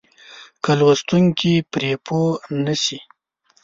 که لوستونکی پرې پوه نه شي.